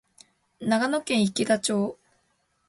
長野県池田町